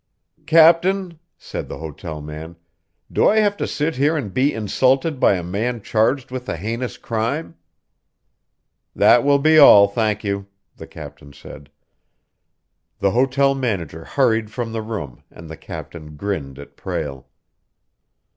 "Captain," said the hotel man, "do I have to sit here and be insulted by a man charged with a heinous crime?" "That will be all, thank you," the captain said. The hotel manager hurried from the room, and the captain grinned at Prale.